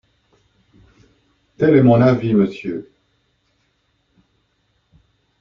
Tel est mon avis, Monsieur!